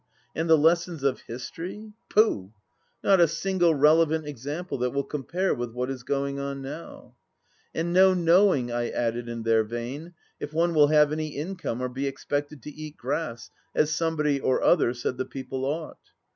And the lessons of history, pooh 1 not a single relevant example that will compare with what is going on now. ..." And no Imowing," I added in their vein, " if one will have any income, or be expected to eat grass, as somebody or other said the People ought."